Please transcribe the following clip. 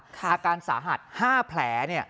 ฆ่าการสาหัสห้าแผล